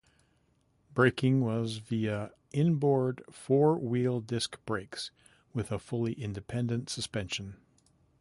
Braking was via inboard four wheel disc brakes, with a fully independent suspension.